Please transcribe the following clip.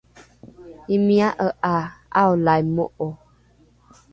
imia’e ’a ’aolaimo’o